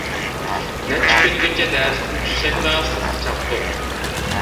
نەچچە كۈنگىچە دەرستىن چۈشسەكلا سىرتقا چاپتۇق.